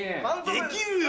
できるよ！